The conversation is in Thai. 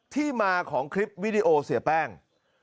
ที่มาของคลิปวิดีโอเสียแป้ง